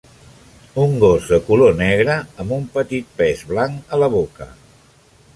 Un gos de color negre amb un petit pes blanc a la boca.